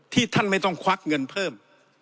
ท่านไม่ต้องควักเงินเพิ่ม